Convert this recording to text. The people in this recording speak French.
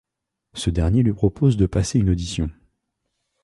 Ce dernier lui propose de passer une audition.